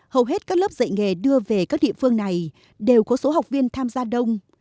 hầu hết các lớp dạy nghề đưa về các địa phương này đều có số học viên tham gia đông